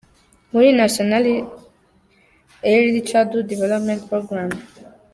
Muri National Early Childhood Development Program.